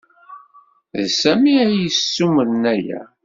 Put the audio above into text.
D Sami ay d-yessumren aya.